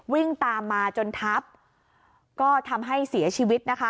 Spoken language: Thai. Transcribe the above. วิ่งตามมาจนทับก็ทำให้เสียชีวิตนะคะ